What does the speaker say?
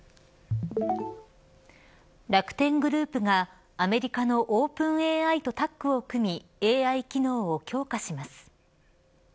楽天グループがアメリカのオープンＡＩとタッグを組みＡＩ機能を強化します。